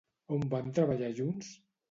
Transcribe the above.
On van treballar junts?